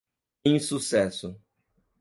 insucesso